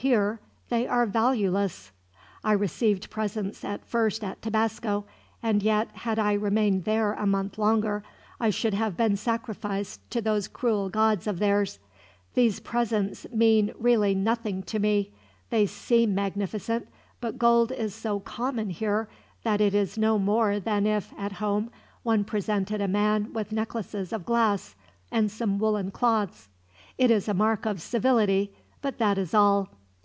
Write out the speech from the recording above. Here they are valueless. "I received presents at first at Tabasco, and yet, had I remained there a month longer, I should have been sacrificed to those cruel gods of theirs. These presents mean really nothing to me. They seem magnificent, but gold is so common, here, that it is no more than if, at home, one presented a man with necklaces of glass, and some woolen cloths. It is a mark of civility, but that is all.